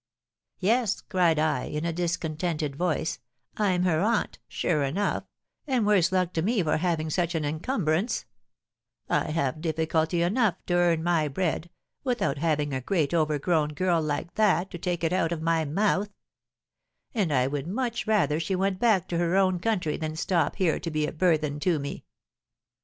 'Yes,' cried I, in a discontented voice, 'I'm her aunt, sure enough, and worse luck to me for having such an encumbrance; I have difficulty enough to earn my bread, without having a great overgrown girl like that, to take it out of my mouth; and I would much rather she went back to her own country than stop here to be a burthen to me.